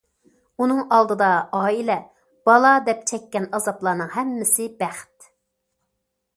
ئۇنىڭ ئالدىدا ئائىلە، بالا، دەپ چەككەن ئازابلارنىڭ ھەممىسى بەخت.